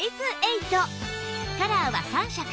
カラーは３色